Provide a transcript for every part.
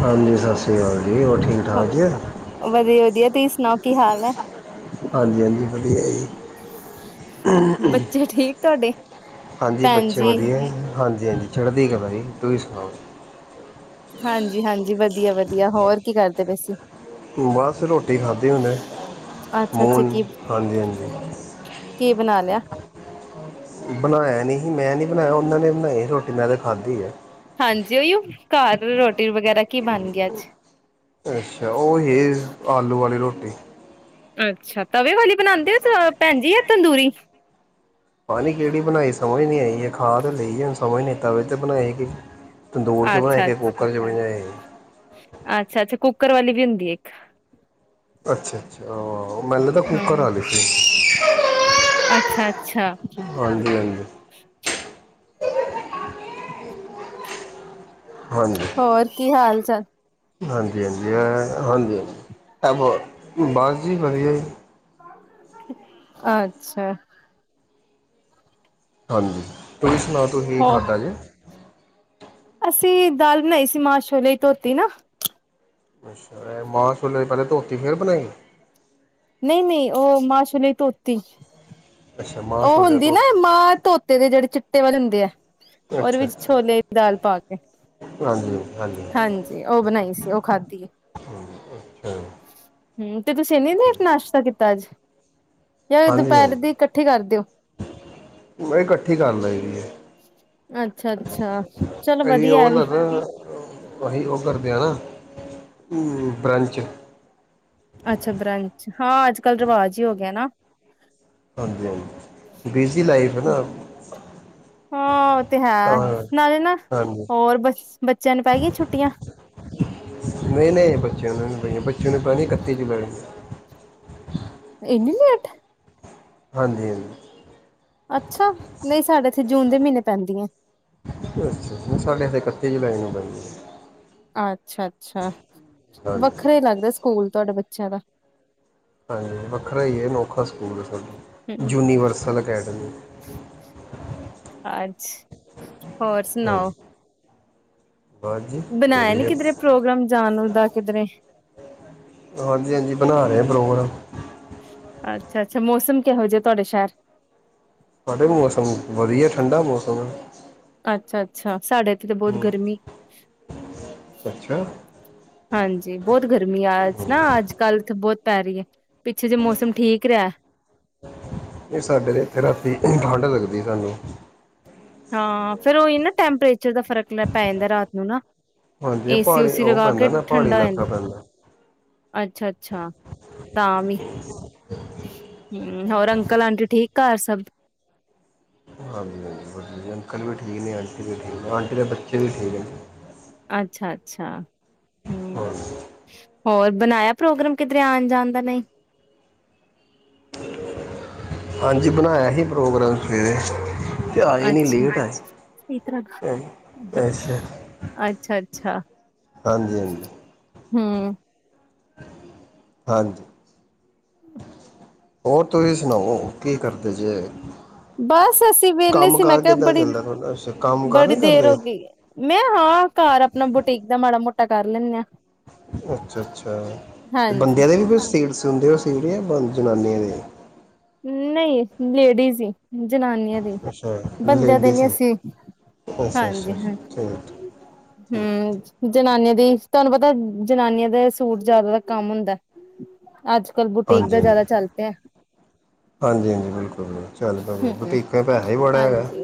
ਹਾਂਜੀ ਸਸ ਸ਼੍ਰੀ ਕਾਲ ਜੀ ਹੋਰ ਠੀਕ ਠਾਕ ਵਧੀਆ ਆ? ਵਧੀਆ ਤੁਸੀਂ ਸੁਣਾਓ ਕੀ ਹਾਲ ਏ? ਹਾਂਜੀ-ਹਾਂਜੀ ਵਧੀਆ ਜੀ। ਬੱਚੇ ਠੀਕ ਤੁਹਾਡੇ [inaudible] ਹਾਂਜੀ ਭੈਣ ਬੱਚੇ ਜੀ ਵਧੀਆ ਹਾਂਜੀ-ਹਾਂਜੀ ਚੜਦੀਕਲਾ ਕਲਾ ਜੀ, ਤੁਸੀ ਸੁਣਾਓ? ਹਾਂਜੀ ਹਾਂਜੀ ਵ। ਬਸ ਰੋਟੀ ਖਾਦੀ ਹੁੰਨੇ, ਅੱਛਾ ਅੱਛਾ ਕੀ [unintelligible] ਹਾਂਜੀ ਹਾਂਜੀ ਕੀ ਬਣਾ ਲਿਆ ਬਨਾਇਆ ਨਹੀਂ। ਮੈਂ ਨਹੀਂ ਬਨਾਇਆ ਉਹਨਾਂ ਨੇ ਬਨਾਈ ਰੋਟੀ ਮੈਂ ਤਾਂ ਖਾਧੀ ਏ। ਹਾਂਜੀ, ਓਹੀਓ ਕਾਰ ਰੋ ਅੱਛਾ, ਉਹ ਏ ਆਲੂ ਵਾਲੀ ਰੋਟੀ [unintelligible] ਅੱਛਾ। ਤਵੇ ਵਾਲੀ ਬਨਾਂਦੇ ਓ ਜਾਂ ਭੈਣ ਜੀ ਤੰਦੂਰੀ ਪਾ ਨੀ ਕਿਹੜੀ ਬਨਾਈ ਸਮਝ ਨਹੀਂ ਆਈ ਏ, ਖਾ ਤੇ ਲਈ ਹੁਨ ਸਮਝ ਨਹੀਂ ਆਈ ਤਵੇ ਤੇ ਬਨਾਏ ਕਿ ਤੰਦੂਰ ਚ ਬਨਾਏ ਕੇ ਕੁੱਕਰ ਚ ਬਨਾਏ [inaudible] ਅੱਛਾ-ਅੱਛਾ ਕੁੱਕਰ ਵਾਲੀ ਵੀ ਹੁੰਦੀ ਇੱਕ ਅੱਛਾ-ਅੱਛਾ ਆਂ। ਹੂੰ, ਅੱਛਾ-ਅੱਛਾ। ਹਾਂਜੀ ਹਾਂਜੀ ਹੋਰ ਕੀ ਹਾਲ? [unintelligible] ਹਾਂਜੀ-ਹਾਂਜੀ, ਹਾਂਜੀ-ਹਾਂਜੀ [unintelligible] ਬਾਸ ਜੀ ਵਧੀਆ। ਅੱਛਾ। ਹਾਂਜੀ, ਤੁਹੀ ਸੁਨਾਓ ਤੁਹੀ ਹੋ ਖਾਦਾ ਜੇ ਅਸੀ ਦਾਲ ਬਨਾਈ ਸੀ ਮਾ-ਸ਼ੋਲਿਆ ਧੋਤੀ ਨਾ ਅੱਛਾ, ਏ ਮਾ-ਸ਼ੋਲਿਆ ਦੀ ਪਹਿਲੇ ਧੋਤੀ ਫੇਰ ਬਨਾਈ ਨਹੀਂ-ਨਹੀਂ ਉਹ ਮਾ-ਸ਼ੋਲਿਆ ਧੋਤੀ ਅੱਛਾ ਮਾਂ ਉਹ ਛੋਲੇ ਹੁੰਦੀ ਨਾ ਧੋਤੀ ਮਾਂ-ਧੋਤੇ ਦੇ ਜਿਹੜੇ ਚਿੱਟੇ ਵਾਲੇ ਹੁੰਦੇ ਏ। ਉਹਦੇ ਅੱਛਾ ਵਿੱਚ ਅੱਛਾ ਛੋਲੇ ਦੀ ਦਾਲ ਪਾ ਕੇ, ਹਾਂਜੀ ਉਹ ਬਨਾਈ ਸੀ ਉਹ ਖਾਧੀ ਏ। ਅੱਛਾ ਹੂੰ, ਤੇ ਤੁਸੀ ਏਨੀ ਲੇਟ ਨਾਸ਼ਤਾ ਕੀਤਾ ਅੱਜ? ਯਾ ਦੁਪਹਿਰ ਦੀ ਕ ਮ ਇਕੱਠੀ ਕਰ ਲਈ ਦੀ ਏ। ਅੱਛਾ ਅੱਛਾ ਚਲੋ ਅਹੀ ਵਧੀਆ ਉਹ ਐ ਵੀ [unintelligible] ਅਹੀ ਉਹ ਕਰਦੇ ਆ ਨਾ ਬ੍ਰੰਚ ਅੱਛਾ, ਬ੍ਰੰਚ ਹਾਂ ਅੱਜ-ਕੱਲ ਰਿਵਾਜ ਹੀ ਹੋ ਗਿਆ ਨਾ। ਹਾਂਜੀ ਹਾਂਜੀ ਬਿਜ਼ੀ ਲਾਈਫ ਹੈ ਨਾ ਹਾਂ, ਉਹ ਤੇ, ਤਾਂ ਹੈ ਨਾਲੇ ਨਾ, ਹਾਂਜੀ ਹੋਰ ਬ ਬੱਚਿਆਂ ਨੂੰ ਪੈ ਗਈਆਂ ਛੁੱਟੀਆਂ ਬੱਚੇ ਨੂੰ ਪੈਣੀ ਕਂਤੀ ਦੀ ਪੈ ਇਹਨੀ ਲੇਟ-' ਹਾਂਜੀ, ਹਾਂਜੀ।। ਅੱਛਾ ‌ਨਹੀਂ ਸਾਡੇ ਇੱਥੇ ਜੂਨ ਦੇ ਮਹੀਨੇ ਪੈਂਦੀ ਹੈ। ਅੱਛਾ ਸਾਡੇੇ ਇਕੱਤੀ ਜੁਲਾਈ ਨੂੰ ਬਦ ਅੱਛਾ, ਅੱਛਾ। ਹਾਂਜੀ ਵੱਖਰੇ ਲੱਗਦਾ ਸਕੂਲ। ਤੁਹਾਡੇ, ਬੱਚਿਆਂ ਦਾ ਹਾਂਜੀ ਵੱਖਰਾ ਹੀ ਹੈ, ਅਨੋਖਾ ਸਕੂਲ ਹੈ ਸਾਨੂੰ ਹੂੰ ਯੂਨੀਵਰਸਲ ਅਕੈਡਮੀ [inaudible] ਹੋਰ ਸੁਣਾਓ? ਹਾਂਜੀ ਬਸ ਜੀ ਬਣਾਇਆ ਨੀ ਵਧੀਆ ਕਿਧਰੇ ਪ੍ਰੋਗਰਾਮ ਜਾਨ ਦਾ ਕਿਧਰੇ? ਹਾਂਜੀ, ਹਾਂਜੀ। ਬਣਾ ਰਹੇ ਪ੍ਰੋਗਰਾਮ ਅੱਛਾ। ਅੱਛਾ। ਮੌਸਮ ਕਿਹੋ ਜਿਹਾ ਤੁਹਾਡੇ ਸ਼ਹਿਰ? ਹਾਡੇ ਮੌਸਮ ਵਧੀਆ ਠੰਢਾ ਮੌਸਮ ਹੈ। ਅੱਛਾ, ਅੱਛਾ, ਸਾਡੇ ਇੱਥੇ ਤਾਂ ਬਹੁਤ ਗਰਮੀ-' ਅੱਛਾ ਹਾਂਜੀ। ਬਹੁਤ ਗਰਮੀ ਆ ਨਾ ਅੱਜ ਕੱਲ੍ਹ ਤ ਬਹੁਤ ਪੈ ਰਹੀ ਹੈ, ਪਿੱਛੇ ਜੇ ਮੌਸਮ ਠੀਕ ਰਿਹਾ ਸਾਡੇ ਏਥੇ ਰਾਤੀ ਠੰ ਲੱਗਦੀ ਸਾਨੂੰ ਹਾਂ, ਫੇਰ ਉਹੀ ਨਾ-' ਟੈਂਪਰੇਰ ਰ ਦਾ ਫਰਕ ਲੈ ਪੈ ਜਾਂਦਾ ਰਾਤ ਨੂੰ, ਨਾ ਹਾਂਜੀ ਇਹ ਏਸੀ ਪਹਾੜੀ ਸੀ ਉਹ ਲਗਾ ਕੇ ਪੈਂਦਾ ਨਾ ਪਹਾੜੀ ਠੰਡਾ ਹੋ ਇਲਾਕਾ ਜਾਂਦਾ। ਪੈਂਦਾ ਅੱਛਾ- ਅੱਛਾ, ਤਾਂ ਵੀ ਹਮ ਹੋਰ ਅੰਕਲ ਆਂਟੀ ਠੀਕ ਘਰ ਸਭ? ਹਾਂਜੀ, ਹਾਂਜੀ, ਵੀ ਅੰਕਲ ਵੀ ਠੀਕ ਨੇ ਆਂਟੀ ਵੀ ਠੀਕ ਨੇ ਆਂਟੀ ਦੇ ਬੱਚੇ ਵੀ ਠੀਕ ਨੇ। ਅੱਛਾ, ਅੱਛਾ। ਹਮ, ਹਾਂਜੀ ਹੋਰ ਬਣਾਇਆ ਪ੍ਰੋਗਰਾਮ ਕਿਧਰੇ ਆਉਣ ਜਾਣ ਦਾ ਨਹੀਂ? ਹਾਂਜੀ ਬਣਾਇਆ ਹੀ ਪ੍ਰੋਗਰਾਮ ਸਵੇਰੇ ਤੇ ਆਏ ਨਹੀਂ ਅੱਛਾ ਲੇਟ ਆ, ਅੱਛਾ ਅੱਛਾ-ਅੱਛਾ ਹਾਂਜੀ ਹਾਂਜੀ। ਹਮ ਹਾਂਜੀ। ਹੋਰ ਤੁਸੀਂ ਸੁਣਾਓ, ਕੀ ਕਰਦੇ ਜੇ? ਬਸ ਅਸੀਂ ਵਿਹਲੇ ਕੰਮ ਸੀ, ਮੈਂ ਕਾਰ ਕਿਹਾ ਕਿੱਦਾਂ ਬੜੀ, ਚੱਲਦਾ ਤੁਹਾਡਾ ਅੱਛਾ ਕੰਮ ਕਾਰ ਬੜੀ ਨਹੀਂ ਦੇਰ ਕਰਦੇ ਹੋ ਗਈ, ਮੈਂ ਹਾਂ, ਘਰ ਆਪਣਾ ਬੁਟੀਕ ਦਾ ਮਾੜਾ ਮੋਟਾ ਕਰ ਲੈਂਦੇ ਹਾਂ। ਅੱਛਾ, ਅੱਛਾ। ਹਾਂਜੀ ਬੰਦਿਆਂ ਦੇ ਵੀ ਕੁਛ ਸੀਟਸ ਸੀ ਹੁਦੇ ਸਿਵਰਿਆ ਬੰਦ ਜਨਾਨੀਆਂ ਦੇ ਨਹੀਂ ਲੇਡੀਜ਼ ਹੀ। ਜਨਾਨੀਆਂ ਦੀ ਅੱਛਾ ਬੰਦਿਆਂ ਦੇ ਲੇਡੀਜ਼ ਨੀ ਅਸੀਂ, ਅੱਛਾ ਅੱਛਾ ਹਾਂਜੀ ਹਾਂ ਠੀਕ ਠੀਕ ਹਮ ਜਨਾਨੀਆਂ ਤੁਹਾਨੂੰ ਪਤਾ ਜਨਾਨੀਆਂ ਦਾ ਸੂਟ ਜ਼ਿਆਦਾ ਦਾ ਕੰਮ ਹੁੰਦਾ ਅੱਜ ਕੱਲ੍ਹ ਬੁਟੀਕ ਹਾਂਜੀ ਦਾ ਹਾਂਜੀ ਜ਼ਿਆਦਾ ਚੱਲਤ ਆ ਹਾਂਜੀ, ਹਾਂਜੀ। ਬਿਲਕੁਲ ਚੱਲ, ਪਰੋ ਹਮ ਬੁਟੀਕਾਂ ਪੈਸਾ ਬੜਾ ਹੈਗਾ ਹਾਂਜੀ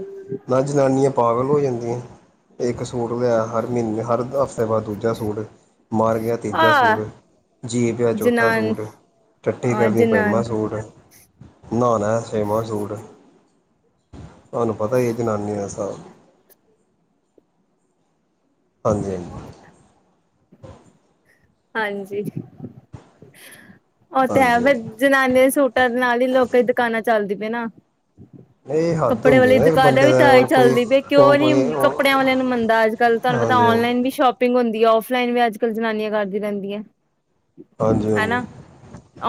ਨਾ, ਜਨਨੀਆਂ ਪਾਗਲ ਹੋ ਜਾਂਦੀਆਂ। ਇੱਕ ਸੂਟ ਲਿਆ ਹਰ ਮਹੀਨੇ, ਹਰ ਹਫ਼ਤੇ ਬਾਅਦ ਦੂਜਾ ਸੂਟ ਮਾਰ ਗਿਆ, ਤੀਜਾ ਆਹ ਸੂਟ ਜੀਅ ਪਿਆ, ਚੌਥਾ ਜਨਾਨ ਸੂਟ ਟੱਟੀ ਆ ਕਰਨੀ, ਪੰਜਵਾ ਜਨਾਨ ਸੂਟ ਨਹਾ ਲੇ, ਛੇਮਾ ਸੂਟ ਤੁਹਾਨੁ ਪਤਾ ਹੀ ਇਹ ਜਨਾਨੀਆਂ ਦਾ ਹਿਸਾਬ। ਹਾਂਜੀ, ਹਾਂਜੀ। ਹਾਂਜੀ। ਉਹ ਤੇ, ਹੈ, ਬ ਹਾਂਜੀ ਜਨਾਨੀਆਂ ਦੇ ਸੂਟਾ ਦੇ ਨਾਲ ਹੀ ਲੋਕ ਕਈ ਦੁਕਾਨਾਂ ਚੱਲਦੀ ਪਏ ਨਾ। ਇਹ ਹੱਦ ਕੱਪੜੇ ਹੁੰਦੀ ਵਾਲੀ ਨਾ ਇੱਕ ਦੁਕਾਨਾਂ ਬੰਦੇ ਵੀ, ਦਾ ਤਾ ਹੀ ਹੁਣ ਕੋਈ ਚੱਲਦੀ ਪਈ ਕਿਉਂ ਉਹ ਨੀ ਕੋਈ ਹਾਂਜੀ ਕੱਪੜਿਆਂ ਵਾਲਿਆਂ ਨੂੰ ਮੰਨਦਾ, ਅੱਜ ਕੱਲ ਤੁਹਾਨੂੰ ਪਤਾ ਹਾਂਜੀ ਆਨਲਾਈਨ ਵੀ ਸ਼ੋਪਿੰਗ ਹੁੰ ਆਫਲਾਈਨ ਵੀ ਅੱਜ ਕੱਲ ਜਨਾਨੀਆਂ ਕਰਦੀ- ਰਹਿੰਦੀਆਂ। ਹਾਂਜੀ ਹਨਾ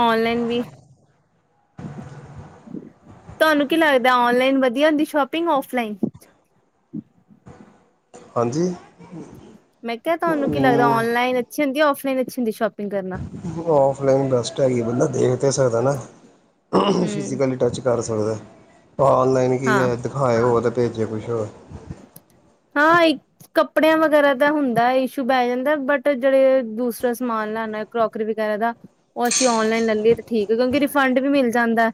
ਔਨਲਾਈਨ ਵੀ- ਤੁਹਾਨੂੰ ਕੀ ਲੱਗਦਾ, ਔਨਲਾਈਨ ਵਧੀਆ ਹੁੰਦੀ ਸ਼ੋਪਿੰਗ, ਆਫਲਾਈਨ ਹਾਂਜੀ। ਮੈਂ ਕਿਹਾ, ਤੁਹਾਨੂੰ ਕੀ ਲੱਗਦਾ ਹਾਂਜੀ ਔਨਲਾਈਨ ਅੱਛੀ ਹੁੰਦੀ ਆਫ ਨ ਚ ਸ਼ੋਪ ਔਫਲਾਈਨ ਬੈਸਟ ਹੈਗੀ ਬੰਦਾ ਦੇਖ ਅਤੇ ਸਰਦਾ ਨਾ ਹੂੰ ਫਿਜੀਕਲੀ ਟਚ ਕਰ ਸਕ ਹੋਰ ਔਨਲਾਈਨ ਕੀ ਹਾਂ ਹੈ, ਦਿਖਾਏ ਹੋ ਤੇ, ਭੇਜੇ ਕੁਛ ਹ ਹਾਂ, ਕੱਪੜਿਆਂ ਵਗੈਰਾ ਦਾ ਹੁੰਦਾ ਇਸ਼ੂ ਪੈ ਜਾਂਦਾ, ਬਟ ਜਿਹੜੇ ਦੂਸਰਾ ਸਮਾਨ ਲੈਣਾ ਕਰੋਕਰੀ ਵਗੈਰਾ ਦਾ ਉਹ ਅਸੀਂ ਔਨਲਾਈਨ ਲੈ ਲਈਏ ਤੇ ਠੀਕ ਆ, ਕਿਉਂਕਿ ਰਿਫੰਡ ਵੀ ਮਿਲ ਜਾਂਦਾ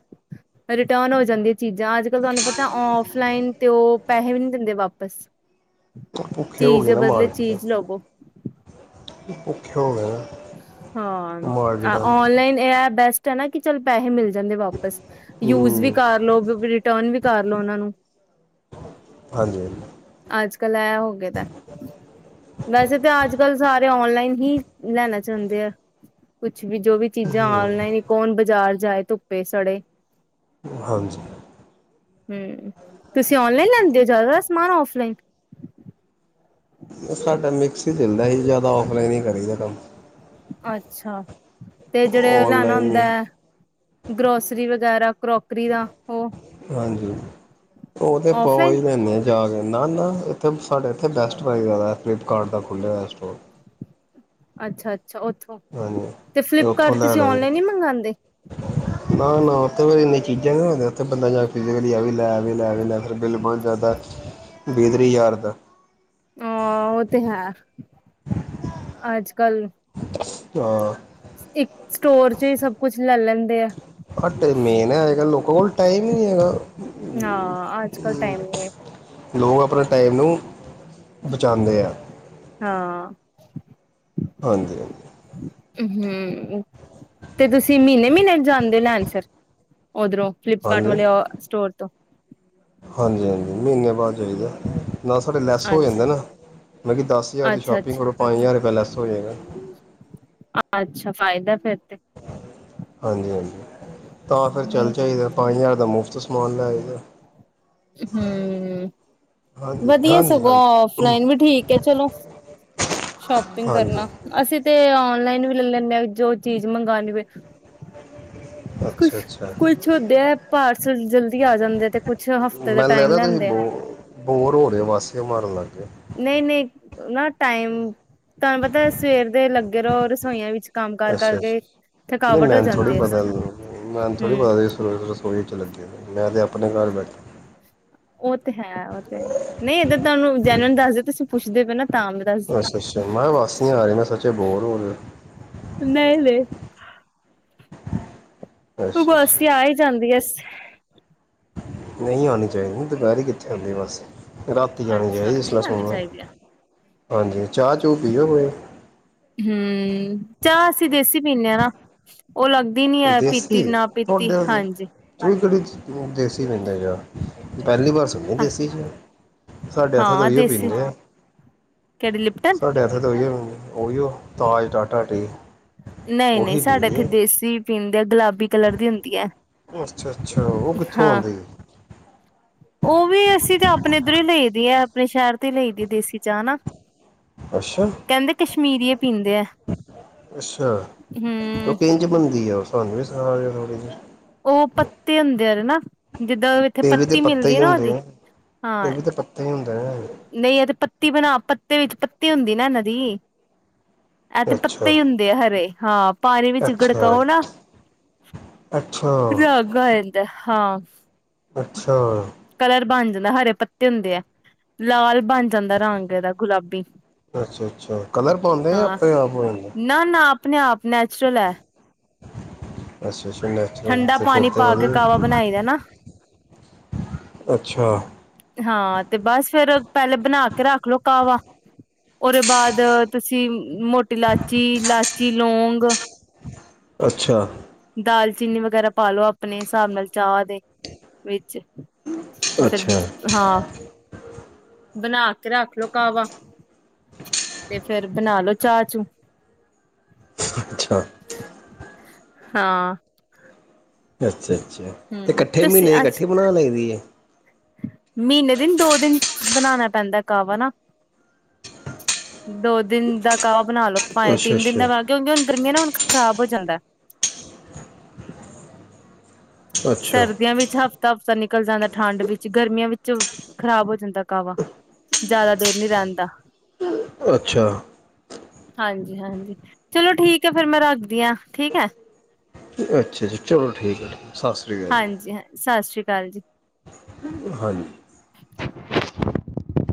ਰਿਟਰਨ ਹੋ ਜਾਂਦੀ ਹੈ ਚੀਜ਼ਾਂ, ਅੱਜ ਕਲ ਤੁਹਾਨੂੰ ਪਤਾ ਔਫਲਾਈਨ ਤੇ ਉਹ ਪੈਸੇ ਵੀ ਦਿੰਦੇ ਵਾਪਸ ਭੁੱਖੇ ਹੋ ਚੀਜ਼ ਗਏ ਹੈ, ਨਾ ਬਦਲੇ ਮਾਰਕੀਟ ਦੇ ਚੀਜ਼ ਲਵੋ। [unintelligible] ਹਾਂ ਮਾਰਕੀਟ ਵਾਲੇ ਔਨਲਾਈਨ ਇਹ ਬਸ ਨਾ ਕਿ ਚੱਲ ਪੈਸੇ ਮਿਲਦੇ ਜਾਂਦੇ ਵਾਪਸ ਯੂਜ ਵੀ ਹੂੰ ਕਰਲ ਰਿਟਰਨ ਵੀ ਕਰ ਲੌ ਉਹਨਾਂ ਨੂੰ ਹਾਂਜੀ ਅੱਜ ਕੱਲ ਐ ਹੋ ਗ ਤਾਂ ਵੈਸੇ ਤਾਂ ਅੱਜ ਕੱਲ ਸਾਰੇ ਔਨਲਾਈਨ ਹੀ ਲੈਣਾ ਚਾਹੁੰਦੇ ਆ ਕੁ ਕੁਛ ਵੀ ਜੋ ਵੀ ਚੀਜ਼ਾਂ ਔਨਲਾਈਨ ਕੌਣ ਬਾਜ਼ਾਰ ਜਾਏ ਧੁੱਪੇ ਸੜੇ ਹਾਂਜੀ ਹਮ ਤੁਸੀਂ ਔਨਲਾਈ ਲੈਂਦੇ ਹੋ ਜ਼ਿਆਦਾ ਔਫਲਾਈਨ ਸਾਡਾ ਮਿਕਸ ਹੀ ਚੱਲਦਾ ਸੀ ਜ਼ਿਆਦਾ ਆਫਲਾਈਨ ਹੀ ਕਰੀਦਾ ਕੰਮ ਅੱਛਾ ਤੇ ਜਿਹੜੇ ਰਿਆਣਾ ਹੁੰਦਾ ਔਨਲਾਈਨ ਹੈ ਗਰੋਸਰੀ ਵਗੈਰਾ ਕਰੋਕਰੀ ਦਾ ਉਹ ਹਾਂਜੀ ਉਹ ਤੇ ਪਓ ਔਫਲਾਈਨ ਹੀ ਲੈਂਦੇ ਆ ਜਾ ਕੇ ਨਾ ਇਥੇ ਸਾਡੇ ਇੱਥੇ ਬੈਸਟ ਪ੍ਰਾਈਜ਼ ਆਇਆ ਫਲਿੱਪਕਾਰਟ ਦਾ ਖੁੱਲ੍ਹੇ ਹੋ ਸਟੋਰ ਅੱਛਾ ਅੱਛਾ ਅੱਛਾ ਉੱਥੋਂ ਤੇ ਹਾਂਜੀ ਉੱਥੋਂ ਫਲਿੱਪਕਾਰਟ ਲੈ ਤੁਸੀਂ ਲੈਂਦੇ ਔਨਲਾਈਨ ਹੀ ਮੰਗਵਾਉਂਦੇ ਉਥੇ [unintelligible] ਆਵੇ ਲੈ ਲੈ ਵੀ ਲੈ ਹਰ ਬਿਲਮਾਨ ਜ਼ਿਆਦਾ ਬੇਦਰੀ ਯਾਰਦ ਹਾਂ ਉਹ ਤੇ ਹੈ ਅੱਜ ਕੱਲ੍ਹ ਹਾਂ ਇੱਕ ਸਟੋਰ ਚ ਹੀ ਸਭ ਕੁਛ ਲੈ ਲੈਂਦੇ ਆ ਹਟੇ ਮੇਨ ਹੈ ਅਜ ਕੱਲ ਲੋਕਾਂ ਕੋਲ ਟਾਈਮ ਹੀ ਨਹੀਂ ਹੈਗਾ ਹਾਂ ਅੱਜ ਕੱਲ ਟਾਈਮ ਨੀ ਹੈ। ਲੋਕ ਆਪਣੇ ਟਾਈਮ ਨੂੰ ਬਚਾਉਂਦੇ ਆ ਹਾਂ ਹਾਂਜੀ ਹਾਂਜੀ ਹਮ ਤੇ ਤੁਸੀਂ ਮਹੀਨੇ ਮਹੀਨੇ ਜਾਂਦੇ ਲੈਣ ਫਿਰ ਹੋਦੋ ਫਲੀਪਕਾਰਟ ਹਾਂਜੀ ਵੱਲ ਸਟੋਰ ਤੋਂ [inaudible] ਹਾਂਜੀ ਹਾਂਜੀ ਮਹੀਨੇ ਬਾਅਦ ਚਾਹੀਦਾ ਨਾ ਸਾਡੇ ਲੈਸ ਹੋ ਜਾਂਦਾ ਅੱਛਾ ਨਾ ਮਤਬ ਦਸ ਹਜ਼ਾਰ ਦੀ ਅੱਛਾ ਸ਼ੋਪਿੰਗ ਅੱਛਾ ਕਰੋ ਪੰਜ ਹਜ਼ਾਰ ਰ ਲੈਸ ਹੋ ਜਾਗਾ ਅੱਛਾ ਫਾਇਦਾ ਫਿਰ ਇਥ ਹਾਂਜੀ ਹਾਂਜੀ ਤਾਂ ਫਿਰ ਚੱਲ ਜਾਇਦਾ ਪੰਜ ਹਜ਼ਾਰ ਦਾ ਮੁਫ਼ਤ ਸਮਾਨ ਲੈ ਆਈ ਦਾ ਹਮ ਹਾਂਜੀ ਵਧੀਆ ਹਾਂਜੀ ਹਾਂਜੀ ਸਗੋਂ ਫਲਾਈਨ ਵੀ ਠੀਕ ਹੈ ਚਲੋ ਸ਼ੋਪਿੰਗ ਹਾਂਜੀ ਕਰਨਾ ਅਸੀਂ ਤੇ ਔਨਲਾਈਨ ਵੀ ਲੈ ਲੈਂਦੇ ਜੋ ਚੀਜ਼ ਮੰਗਉਣੀ ਪੈਦੀ ਕੁਛ ਅੱਛਾ ਅੱਛਾ ਕੁਛ ਹਦੇ ਹੈ ਪਾਰਸਲ ਜਲਦੀ ਆ ਜਾਂਦੇ ਤੇ ਕੁਛ ਹਫ਼ ਮੈਨੂੰ ਲੱਗ ਰਿ ਤੁਸੀਂ ਬੋ ਬੋਰ ਹੋ ਰਹੇ ਹੋ ਵਾਸੀਆ ਮਾਰਨ ਲੱਗ ਗਏ ਨਹੀਂ ਨਹੀਂ ਨਾ ਟਾਈਮ ਤੁਹਾਨੂੰ ਪਤਾ ਸਵੇਰ ਦੇ ਲੱਗੇ ਰਹੋ ਰਸੋਈਆਂ ਵਿੱਚ ਕੰਮ ਕਰ ਅੱਛਾ ਅੱਛਾ ਕਰਕੇ ਨਹੀਂ ਥਕਾਵਟ ਹੋ ਮੈਨੂੰ ਥੋੜ੍ਹੀ ਜਾਂਦੀ ਇਸ ਪਤਾ ਮੈਨੂੰ ਥੋੜ੍ਹੀ ਹਮ ਪਤਾ ਰਸੋਈ 'ਚ ਲੱਗੇ ਮੈਂ ਤਾਂ ਆਪਣੇ ਘਰ ਬੈਠੇ ਉਹ ਤੇ ਹੈ ਉਹ ਤੇ ਨਹੀਂ ਏਧਰ ਤੁਹਾਨੂੰ ਜੈਨਨ ਦੱਸ ਦਿ ਤੁਸੀਂ ਪੁੱਛਦੇ ਪਏ ਨਾ ਤਾਂ ਮੈਂ ਦੱਸਦੀ ਅੱਛਾ ਅੱਛਾ ਮੈਂ ਕਿਹਾ ਬਸ ਨੀ ਆ ਰਹੀ ਮੈਂ ਸੋਚਿਆ ਬੋਰ ਹੋ ਨਹੀਂ ਨਹੀਂ ਹੋ ਅੱਛਾ ਉਬਾਸੀ ਆ ਅੱਛਾ ਹੀ ਜਾਂਦੀ ਐ ਨਹੀਂ ਆਉਣੀ ਚਾਹੀਦੀ ਦੁਪਹਿਰ ਕਿੱਥੇ ਆਉਂਦੀ ਬਸ ਰਾਤੀ ਜਾਣੀ ਅੱਛਾ ਚਾਹੀਦੀ ਨਹੀਂ ਇਸਲ ਆਉਣੀ ਸੁਣ ਚਾਹੀਦੀ ਆ ਹਾਂਜੀ ਚਾਹ ਚੂ ਪੀਓ ਕੋ ਹਮ ਚਾਹ ਅਸੀਂ ਦੇਸੀ ਪੀਦੇ ਹਾਂ ਨਾ ਉਹ ਲੱਗਦੀ ਨੀ ਹੈ ਦੇਸੀ ਪੀਤੀ ਨਾ ਪੀਤੀ ਹਾਂਜੀ [unintelligible] ਕਿ ਪਿਆਦੇ ਪਏ ਹੌ [inaudible] ਪਹਿਲੀ ਵਾਰ ਸੁਣਦੇ ਦੇਸੀ ' ਸਾਡੇ ਹੱਥੇ ਹਾਂ ਏਹੀਓ ਦੇਸੀ ਪੀਂਦੇ ਆਂ ਕਿਹੜੀ ਲਿਪਟਨ ਸਾਡੇ ਹੱਥ ਦ ਉਹੀਓ ਪੀਂਦੇ ਉਹੀਓ ਤਾਜ ਟਾਟਾ ਟੀ ਨਹੀਂ ਨਹੀਂ ਉਹੀ ਸਾਡੇ ਇੱਥੇ ਪੀਦੇ ਦੇਸੀ ਪੀ ਗੁਲਾਬੀ ਕਲਰ ਦੀ ਹੁੰਦੀ ਹੈ। ਆ ਅੱਛਾ ਅੱਛਾ ਉਹ ਕਿੱਥੋਂ ਹਾਂ ਆਉਂਦੀ ਉਹ ਵੀ ਅਸੀਂ ਤੇ ਆਪਣੇ ਇੱਧਰੋਂ ਹੀ ਲ ਦੀ ਆ ਆਪਣੇ ਸ਼ਹਿਰ ਤੇ ਲਈ ਦੀ ਦੇਸੀ ਚਾਹ ਨਾ ਅੱਛਾ। ਮੀਰੀ [unintelligible] ਪੀਂਦੇ ਆ। ਅੱਛਾ ਉਹ ਹਮ ਕਿੰਜ ਬਣਦੀ ਆ ਤੁਹਾਨੂੰ ਵੀ ਸੁਣਾ ਦਿਓਥੋੜ੍ਹੀ ਜਹੀ। ਉਹ ਪੱਤੇ ਹੁੰਦੇ ਆ ਰ ਨਾ ਜਿੱਦਾਂ ਇੱਥੇ ਇਹ ਵੀ ਤੇ ਪੱਤੀ ਪੱਤੇ ਮਿਲਦੀ ਹੀ ਨਾ ਹੁੰਦੇ ਉਹਦੀ ਆ ਇਹ ਹਾਂ ਵੀ ਤੇ ਪੱਤੇ ਹੀ ਹੁੰਦੇ ਨੇ ਨਹੀਂ ਉਹ ਤੇ ਪ ਪੱਤੀ ਬਣਾ ਪੱਤੇ ਵਿੱਚ ਪੱਤੀ ਹੁੰਦੀ ਨਾ ਇਹਨਾਂ ਦੀ ਇਹ ਤੇ ਪੱਤੇ ਅੱਛਾ ਹੀ ਹੁੰਦੇ ਆ ਹਰੇ ਹਾਂ ਪਾਣੀ ਵਿੱਚ ਅੱਛਾ ਗੜਕਾਓ ਨਾ ਅੱਛਾ [unintelligible] ਹਾਂ। ਅੱਛਾ। ਕਲਰ ਬਣ ਜਾਂਦਾ ਹਰੇ ਪੱਤੇ ਹੁੰਦੇ ਆ ਲਾਲ ਬਣ ਜਾਂਦਾ ਰੰਗ ਇਹਦਾ ਗੁਲਾਬੀ ਅੱਛਾ ਅੱਛਾ ਕਲਰ ਪਾਉਂਦੇ ਜਾਂ ਹਾਂ ਆਪਣੇ ਆਪ ਹੈ ਜਾਂਦਾ ਨਾ ਨਾ ਆਪਣੇ ਆਪ ਨੈਚੁਰਲ ਹੈ। ਅੱਛਾ। ਅੱਛਾ ਨੈਚੁਰਲ ਠੰਡਾ ਤੇ ਫਿਰ ਪਾਣੀ ਤਾਂ ਪਾ ਕੇ ਕਾਹਵਾ ਵਧੀਆ ਬਣਾਈ ਦਾ ਨਾ ਅੱਛਾ ਹਾਂ ਤੇ ਬਸ ਫੇਰ ਪਹਿਲੇ ਬਣਾ ਕੇ ਰੱਖ ਲੋੋ ਕਾਹਵਾ ਉਹਦੇ ਬਾਅਦ ਤੁਸੀਂ ਮੋਟੀ ਇਲਾਚੀ ਇਲਾਚੀ ਲੌਗ ਗ ਅੱਛਾ। ਨਾਲ ਚੀਨੀ ਵਗੈਰਾ ਪਾ ਲ ਲੋ ਆਪਣੇ ਹਿਸਾਬ ਨਾਲ ਚਾਹ ਦੇ ਵਿੱਚ ਤੇ ਫਿਰ ਅੱਛਾ ਹਾਂ। ਬਣਾ ਕੇ ਰੱਖ ਲੋੋ ਕਾਵਾ ਤੇ ਫੇਰ ਬਣਾ ਲੋ ਚਾਹ ਚੂ ਅੱਛਾ। ਹਾਂ। ਅੱਛਾ ਅੱਛਾ ਤੇ ਹਮ ਇਕੱਠੇ ਤੁਸੀਂ ਮਹੀਨੇਂ ਦੀ ਇਕੱਠੀ ਅੱਛਾ ਬਣਾਂ ਲਈ ਦੀ ਆ। ਮਹੀਨੇ ਦਿਨ ਦੋ ਦਿਨ ਬਣਾਉਣਾ ਪੈਂਦਾਂ ਕਾਹਵਾ ਨਾਂ ਦੋ ਦਿਨ ਦਾ ਕਾਹਵਾ। ਬਣਾਂ ਲੋ ਭਾਵੇਂ ਅੱਛਾ ਤਿੰਨ ਦਿਨ ਅੱਛਾ ਦਾ ਬਣਾਂ ਲੋ ਕਿਉਂਕਿ ਹੁਣ ਗਰਮੀ ਆਂ ਨਾ ਹੁਣ ਖ਼ਰਾਬ ਹੋ ਜਾਂਦਾਂ। ਅੱਛਾ ਸਰਦੀਆਂ ਵਿੱਚ ਹਫ਼ਤਾ ਹਫ਼ਤਾ ਨਿਕ। ਨਿਕਲ਼ ਜਾਂਦਾ ਠੰਡ ਵਿੱਚ। ਗਰਮੀਆਂ ਵਿੱਚ ਖ਼ਰਾਬ ਹੋ ਜਾਂਦਾ ਕਾਹਵਾ। ਜ਼ਿਆਦਾ ਦੇਰ ਨੀਂ ਰਹਿੰਦਾਂ। ਅੱਛਾ। ਹਾਂਜੀ ਹਾਂਜੀ ਚਲੋਂ ਠੀਕ ਹੈਂ ਫਿਰ ਮੈਂ ਰੱਖਦੀ ਹਾਂ। ਠੀਕ ਹੈ। ਅੱਛਾ ਜੀ। ਚਲੋ ਠੀਕ ਹੈ। ਸਤਿ ਸ੍ਰੀ ਅਕਾਲ ਹਾਂਜੀ ਹਾਂਜੀ ਸਤਿ ਸ਼੍ਰੀ ਅਕਾਲ। ਕੱਲ ਜੀ। ਹਾਂਜੀ।